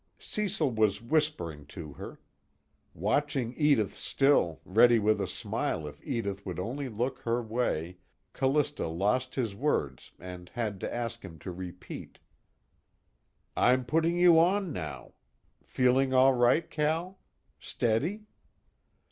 Cecil was whispering to her. Watching Edith still, ready with a smile if Edith would only look her way, Callista lost his words and had to ask him to repeat. "I'm putting you on now. Feeling all right, Cal? Steady?"